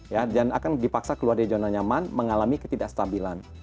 ya dan akan dipaksa keluar dari zona nyaman mengalami ketidakstabilan